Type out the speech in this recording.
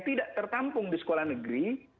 tidak tertampung di sekolah negeri